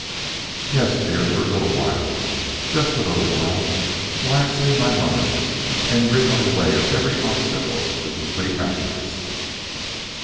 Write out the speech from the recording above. "Yes, dear; for a little while, just for a little while, till I have seen my mother, and rid our way of every obstacle to complete happiness.